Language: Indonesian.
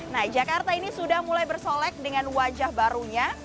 nah jakarta ini sudah mulai bersolek dengan wajah barunya